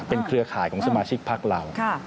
เครือข่ายของสมาชิกพักเรา